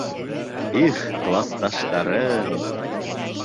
Их, класташтарым!